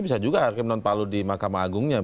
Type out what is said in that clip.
bisa juga hakim non palu di mahkamah agungnya